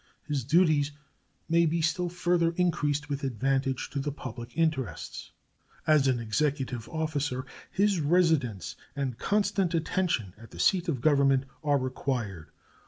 His duties may be still further increased with advantage to the public interests. As an executive officer his residence and constant attention at the seat of Government are required.